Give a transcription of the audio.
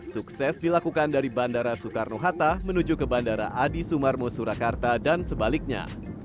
sukses dilakukan dari bandara soekarno hatta menuju ke bandara adi sumarmo surakarta dan sebaliknya